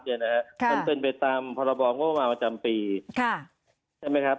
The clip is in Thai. มันเป็นไปตามพบงมปใช่ไหมครับ